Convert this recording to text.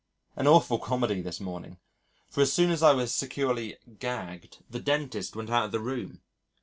An awful comedy this morning for as soon as I was securely "gagged" the dentist went out of the room.